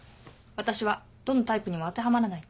私はどのタイプにも当てはまらない。